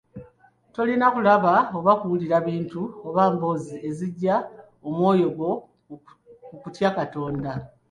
Tolina kulaba oba kuwulira bintu oba mboozi ezijja omwoyo gwo mu kutya Katonda